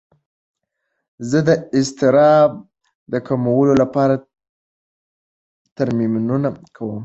زه د اضطراب د کمولو لپاره تمرینونه کوم.